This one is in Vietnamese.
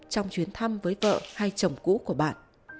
trong chuyến thăm với vợ hay chồng cũ của bạn